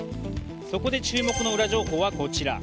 そこで、注目の裏情報はこちら。